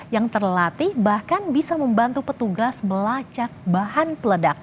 yang terlatih bahkan bisa membantu petugas melacak bahan peledak